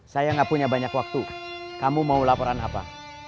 saya gak punya banyak waktu kamu mau laporan apa